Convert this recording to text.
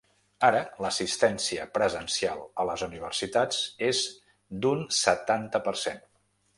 Ara l’assistència presencial a les universitats és d’un setanta per cent.